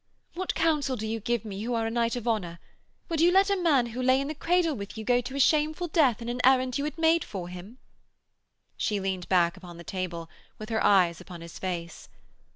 What counsel do you give me, who are a knight of honour? Would you let a man who lay in the cradle with you go to a shameful death in an errand you had made for him?' She leaned back upon the table with her eyes upon his face.